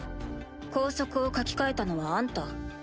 校則を書き換えたのはあんた？